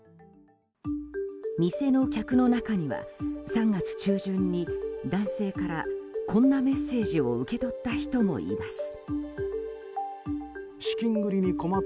店の客の中には３月中旬に男性から、こんなメッセージを受け取った人もいます。